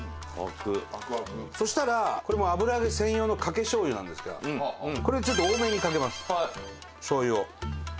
そしたら、これ油揚げ専用のかけしょうゆなんですがこれをちょっと多めにかけます。